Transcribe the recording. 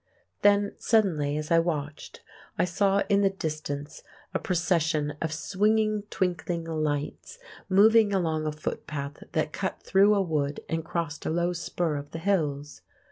Then suddenly, as I watched, I saw in the distance a procession of swinging, twinkling lights moving along a footpath that cut through a wood and crossed a low spur of the hills.